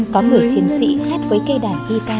có người chiến sĩ hát với cây đàn hi ta